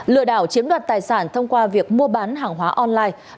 lừa đảo chiếm đoạt tài sản thông qua việc mua bán hàng hóa online